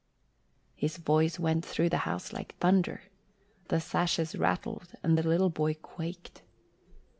His voice went through the house like thunder. The sashes rattled and the little boy quaked.